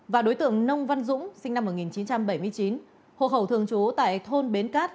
và đối tượng nông văn dũng sinh năm một nghìn chín trăm bảy mươi chín hộ khẩu thường trú tại thôn bến cát